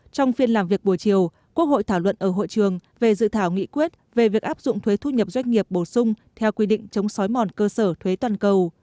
trong phiên làm việc buổi chiều quốc hội thảo luận ở hội trường về dự thảo nghị quyết về việc áp dụng thuế thu nhập doanh nghiệp bổ sung theo quy định chống sói mòn cơ sở thuế toàn cầu